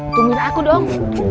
tungguin aku dong